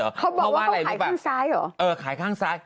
เขาบอกว่าเขาขายข้างซ้ายเหรอเออขายข้างซ้าย